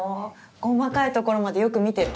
細かいところまでよく見てる。